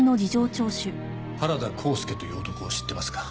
原田幸助という男を知ってますか？